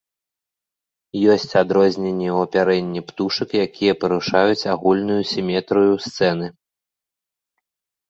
Ёсць адрозненні ў апярэнні птушак, якія парушаюць агульную сіметрыю сцэны.